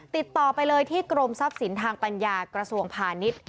ติดต่อไปเลยที่กรมทรัพย์สินทางปัญญากระทรวงพาณิชย์